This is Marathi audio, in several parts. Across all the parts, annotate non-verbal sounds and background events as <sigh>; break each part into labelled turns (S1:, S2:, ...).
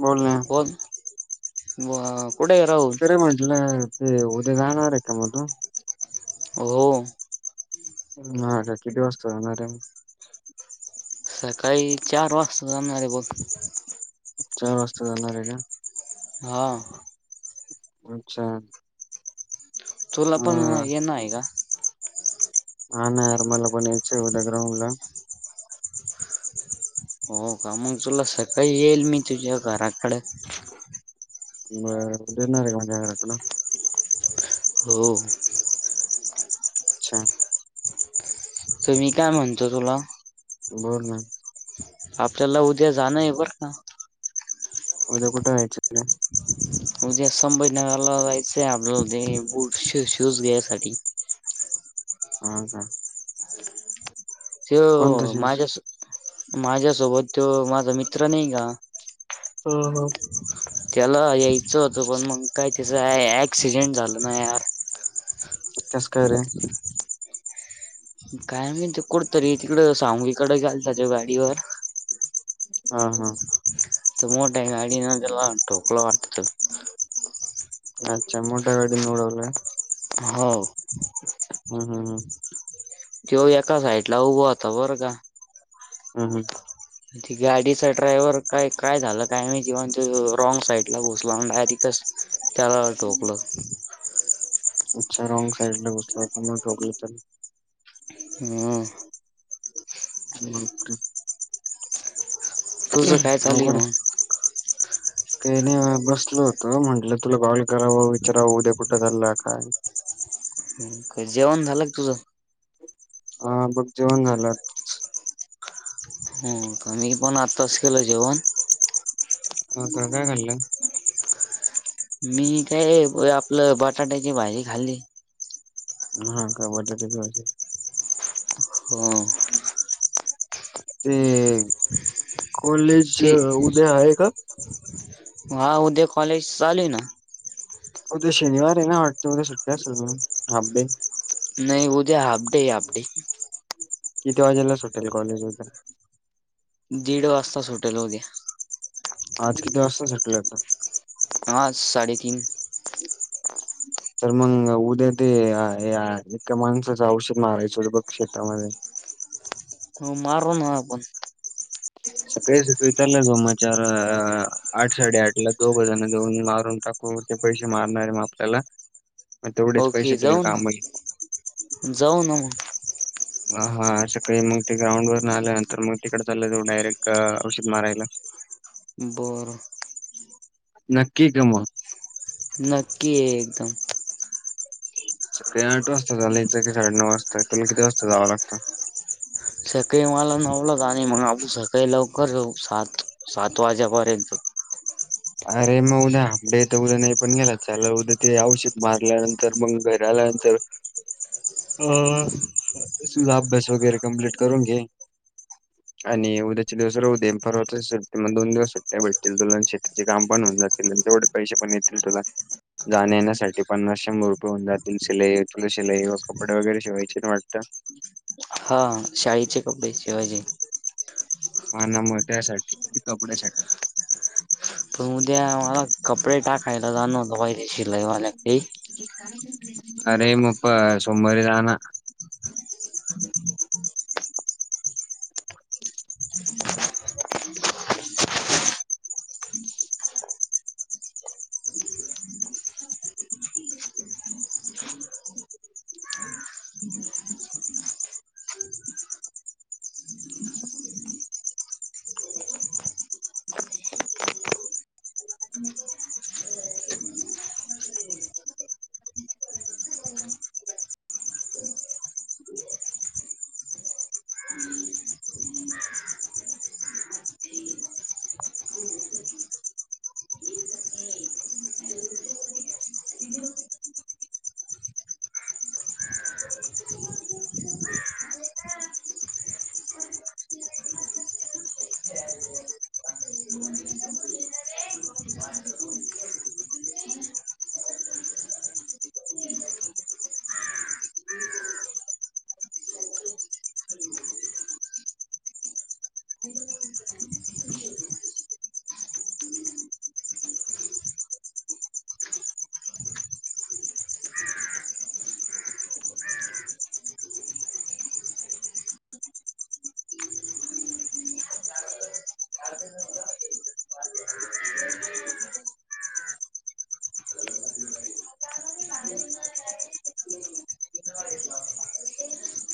S1: बोल ना
S2: ब ब कुड राव
S1: तरर म्हटलं ते उद्या जाणार आहे का मधून
S2: हो
S1: नाही का किती वाजता जाणार आहे
S2: सकाळी चार वाजता जामणारे बघ
S1: चार वाजता जाणार आहे का
S2: हा
S1: अच्छा
S2: तुला
S1: अ
S2: पण येण आहे का
S1: हा ना अरमला पण यायच एढ्या ग्रउंड ला
S2: हो का मग तुला सकाळी येईल मी तुझ्या घराकडे
S1: णार र ना
S2: हो
S1: अच्छा
S2: तर मी काय म्हणतो तुला
S1: बोल ना
S2: आपल्याला उद्या जाणं आहे बर का
S1: उद्या कुठं आहेयचं
S2: उद्या संभजनगरला जायचंय आपल्या ते बूट शूज घ्यायसाठी
S1: ह का
S2: <unintelligible>
S1: कोणता
S2: तो
S1: शूज?
S2: माझ्यां माझ्यांसोबतं तो माझां मित्रं नाहीं कां
S1: हम्मं हम्मं
S2: त्यांला यांयचं होतं पणं मंग कायं तसं आहे ऍक्सिडेंट झालं ना यांर
S1: कसं कायं रे
S2: कायं म्हाईत कुठंतरी तिकडं स्वांमी कडे गेलतां गाडीवर
S1: हां हां
S2: तो मोठ्यां गाडी वाल्या न ठोकलं वाटतं
S1: अछां मोठ्यां गाडीन उडंवलंय
S2: हो
S1: हम्मं हम्मं
S2: तो एका साईडंला उभां होतां बरं कां
S1: हम्मं हम्मं
S2: ते गाडीचा ड्रायव्हर कायं कायं झालं कायं माहिती तो रॉंग साईड डांयरेक्ट घुसलां आणि त्यांला ठोकलं
S1: अच्छां रॉंग साईड लां घुसला म्हणूंन ठोकली त्यांन
S2: हां
S1: ओके
S2: तुझं कायं चालूं आहे मंग
S1: कांहीं नाहीं बसंल होतं म्हटलं तुलां कॉल करावं विचारावं उद्यां कुठं चाललां कायं <unintelligible>
S2: कायं जेवणं झालंकां तुझं
S1: हां बघ जेवणं झालं
S2: हो मी पणं आताचं केलं जेवणं
S1: हो कां कायं खाल्लं
S2: मी कायं आपलं बटाट्यांची भांजी खांल्ली
S1: हां का बटाट्यांची भाजी
S2: हम्मं
S1: ते कॉलेज
S2: ती
S1: उद्यां आहे कां
S2: हा उद्यां कॉलेज चालूं आहे नां
S1: हो उद्या शनिवार आहे नां वाटतं उद्या सुट्टी असेल हांपडे
S2: नाहीं उद्या हाफडे हाफडे
S1: किती वाजेलाच सुटेलं कॉलेजं
S2: दीड वाजतांच सुटलं उद्यां
S1: आंज किती वास्तां सुटले
S2: आज साडेतीनं
S1: <unintelligible> तरं मंग उद्या ते एकां माणसांचं औषधं मागवांयचं होतं शेत्तामंध्ये
S2: हो मारू नां आपणं <unintelligible>
S1: सकाळीं सकाळींजलं जोमाचार आठ साडेआठ लां दोगजाऊनं मारूंन टाकूं कोरते पैसे मारणांर आहे मंग आपल्यांला मंग तेवढेचं
S2: ओके
S1: पैसे तुलां
S2: जाऊ ना
S1: कामांत येतिलं
S2: जाऊ ना
S1: हां हां आंशयां कांहीं मंग ते ग्राउंडवर नं आल्यांनंतर मंग तिकडे चालां जाऊं डायरेक्टं औषधं मारायंला
S2: बरं
S1: नक्की कां मंग
S2: नक्की आहे एकदंम
S1: सकाळीं आठ वाजतां झालंयचं की साडे नऊ वाजतां तुमलां किती वाजतां जावं लागतं
S2: सकाळीं मलां नव्हूलां जाणं आहे ऑफिसला आणि आपणं सकाळीं लवकर जाऊं सात सात वाजेपर्यंत
S1: अरे मंग उद्या हॉपडे आहे तरं नाही पणं गेला चालेलं उद्या ते औषध मारल्यांनंतर मंग घरी आल्यांनंतर अ सुधा अभ्यास वगैरे कम्प्लीट करून घे आणि उद्याचे दिवस र उ देेमार सुटते मग दोन दिवस सुटते भेतील दुला तचे काम पण होऊन जाेल आणि तेवढे पैसे पण येतील तुला जाण येण्यासाठी पन्नासशे मोरठे होऊन जातील शिलाई तुला शिलाई व कपडे वगैरे शिवायची वाटतं
S2: हा शाळेचे कपडे शिवाजी
S1: ह ना मो त्या्यासाठी कपड्यासाठी
S2: पण उद्या मला कपडे टाकायला जाणवता पाहिे शिलाईवाला
S1: अरे मुप सोमर जाना ह <inaudible> <inaudible> <unintelligible> <inaudible> <inaudible> <inaudible> <inaudible>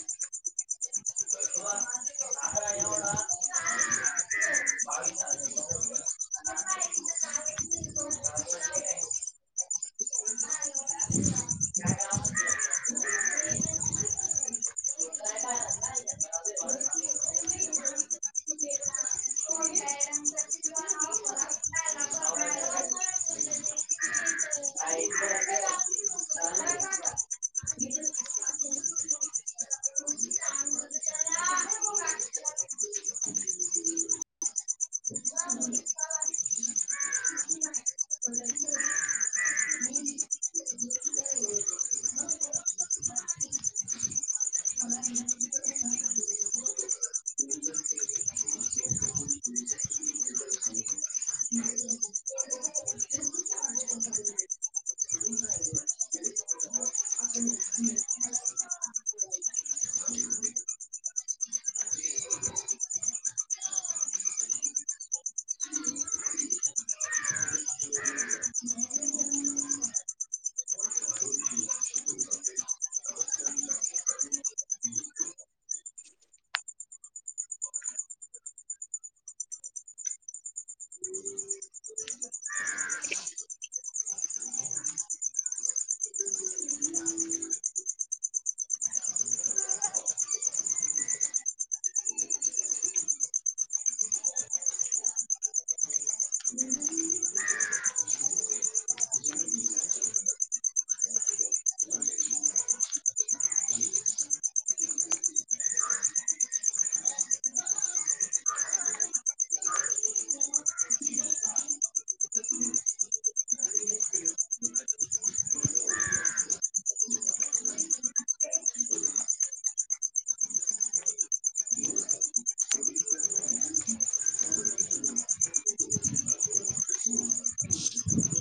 S1: हा <unintelligible> <inaudible> <inaudible> <inaudible> <inaudible> <inaudible> हम्म. ह <inaudible>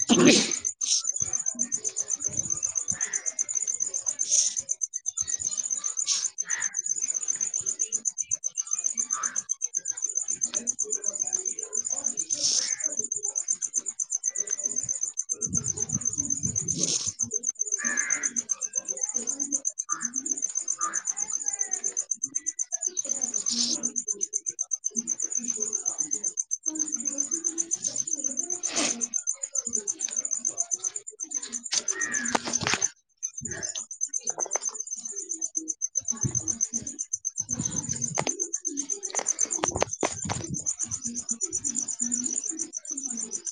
S1: अ <inaudible> <inaudible>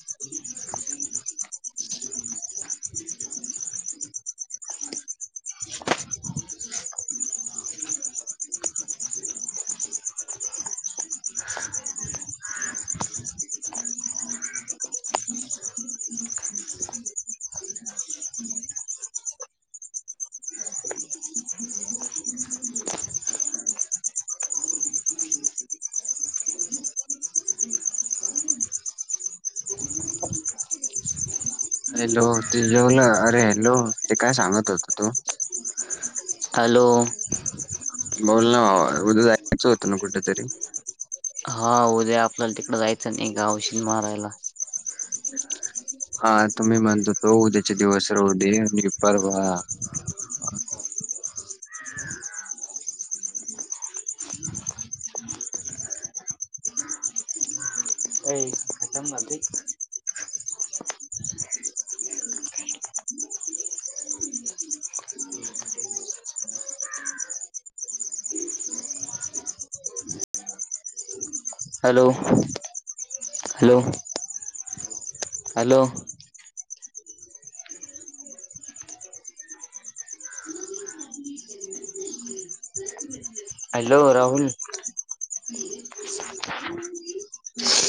S1: <inaudible> <inaudible>
S2: <inaudible>
S1: हॅलो ते जेवलं, अरे हॅलो, ते काय सांगत होत तू. <inaudible>
S2: हॅलो.
S1: बोलोल ना, उद्या जायचं होतं ना कुठेतरी.
S2: हा उद्या आपल्याला तिकडे जायचं नाही का? औषध मारायला.
S1: हा त मी म्हणत होतो उद्याचे दिवस राहुदे, आणि परवा
S2: जमणार नाही का? Hello, hello. Hello. Hello Rahul.